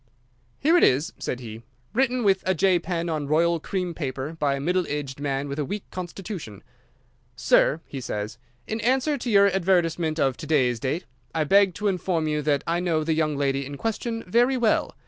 "Here it is," said he, "written with a J pen on royal cream paper by a middle aged man with a weak constitution. 'Sir,' he says, 'in answer to your advertisement of to day's date, I beg to inform you that I know the young lady in question very well.